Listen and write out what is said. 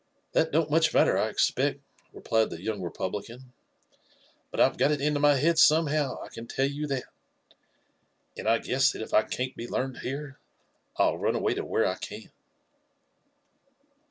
'* that don't much matter, I expect," replied the young repnblican ; "but I've got it intQ. my head somehow, I can tell you tha^^and I guess that if I can't be learned here, {'11 run away to where I ean."